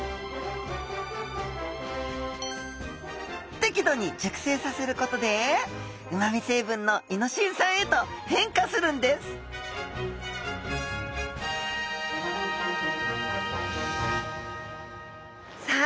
適度に熟成させることでうまみ成分のイノシン酸へと変化するんですさあ